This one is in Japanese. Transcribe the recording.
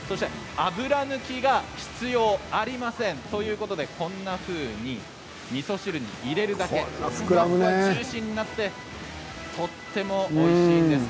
油抜きが必要ありませんということで、こんなふうにみそ汁に入れるだけでジューシーになってとてもおいしいんです。